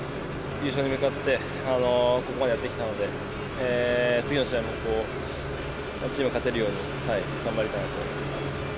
優勝に向かってここまでやってきたので、次の試合もチームが勝てるように頑張りたいなと思います。